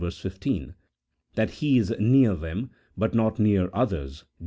15) ; that He is near them, but not near others (Deut.